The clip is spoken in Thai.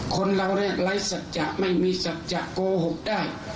คนเราเนี่ยไร้ศักดิ์จักรไม่มีศักดิ์จักรโกหกได้